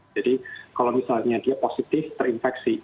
jadi kalau misalnya dia positif terinfeksi